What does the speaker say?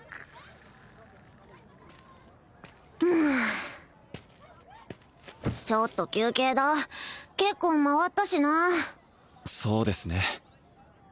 ううんはあちょっと休憩だ結構回ったしなそうですね